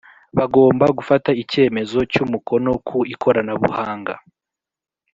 Bagomba gufata icyemezo cy’ umukono ku ikoranabuhanga